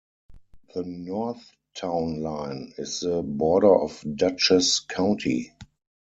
The north town line is the border of Dutchess County.